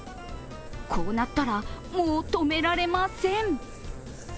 こうなったらもう止められません。